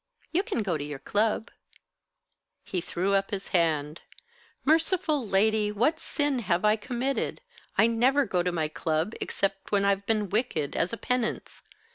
"You can go to your club." He threw up his hand. "Merciful lady! What sin have I committed? I never go to my club, except when I've been wicked, as a penance.